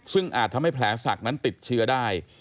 ซึ่งอาจทำให้แผลศักดิ์นั้นติดเชื้อได้